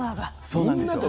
そうなんですよ。